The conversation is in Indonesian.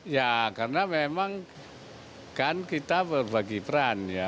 ya karena memang kan kita berbagi peran ya